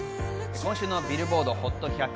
今週のビルボードＨＯＴ１００。